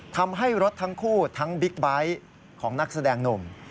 ทำให้รถทั้งคู่ทั้งบิ๊กไบท์ของนักแสดงหนุ่ม